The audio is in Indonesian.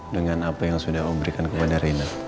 dengan apa yang sudah om berikan kepada rena